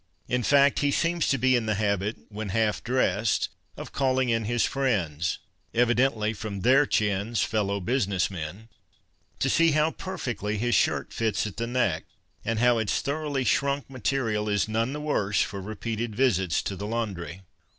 In fact, he seems to be in the habit, when half dressed, of calling in his friends (evidentl}', from their chins, fellow business men) to see how perfectly his shirt fits at the neck and how its thoroughly shrunk material is none the worse for repeated visits to the laundry.